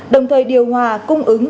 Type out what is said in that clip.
đồng thời điều hòa cung ứng